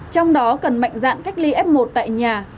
trong đó cần mạnh dạn cách ly f một tại nhà